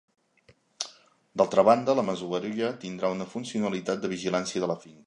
D'altra banda, la masoveria tindrà una funcionalitat de vigilància de la finca.